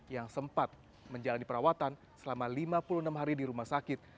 yang sempat menjalani perawatan selama lima puluh enam hari di rumah sakit